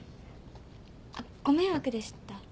あっご迷惑でした？